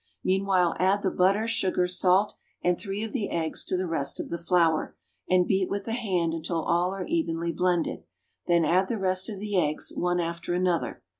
Meanwhile add the butter, sugar, salt and three of the eggs to the rest of the flour, and beat with the hand until all are evenly blended; then add the rest of the eggs, one after another.